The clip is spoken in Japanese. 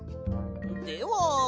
では。